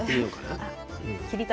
あ切り方